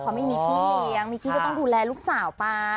อ้าต้องดูแลลูกสาว